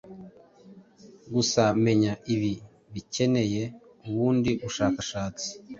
Gusa menya ibi bikeneye ubundi bushakashatsi